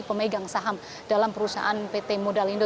pemegang saham dalam perusahaan pt modalindo